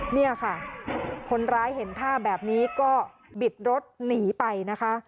เนี่ยค่ะคนร้ายเห็นท่าแบบนี้ก็บิดรถหนีไปนะคะ